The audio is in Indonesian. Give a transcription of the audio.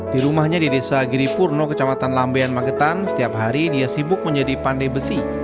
di rumahnya di desa giripurno kecamatan lambean magetan setiap hari dia sibuk menjadi pandai besi